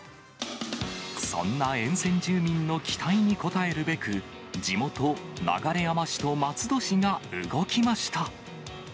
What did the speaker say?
そんな沿線住民の期待に応えるべく、地元、流山市と松戸市が動きました。